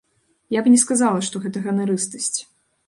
Я б не сказала, што гэта ганарыстасць.